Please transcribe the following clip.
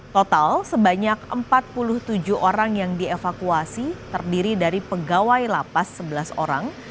total sebanyak empat puluh tujuh orang yang dievakuasi terdiri dari pegawai lapas sebelas orang